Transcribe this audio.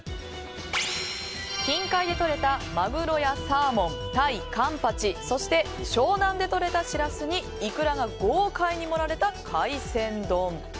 近海でとれたマグロやサーモンタイ、カンパチそして湘南でとれたシラスにイクラが豪快に盛られた海鮮丼。